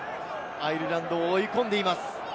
アイルランドを追い込んでいます。